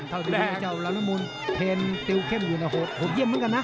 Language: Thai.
เท่าที่เจ้าลำละมูลเทนติวเข้มอยู่นะโหดเยี่ยมเหมือนกันนะ